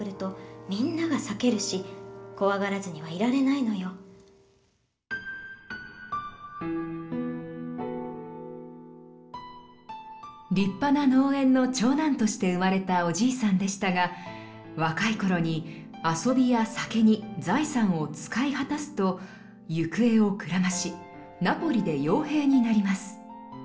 私のようにあとはそれでは２本続けてお楽しみ下さい立派な農園の長男として生まれたおじいさんでしたが若い頃に遊びや酒に財産を使い果たすと行方をくらましナポリで傭兵になります。